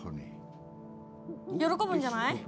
喜ぶんじゃない？